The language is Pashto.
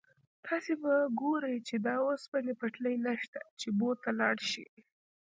تاسو به ګورئ چې د اوسپنې پټلۍ نشته چې بو ته لاړ شئ.